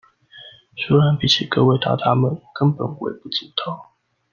雖然比起各位大大們根本微不足道